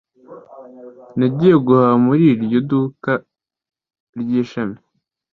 Nagiye guhaha muri iryo duka ryishami.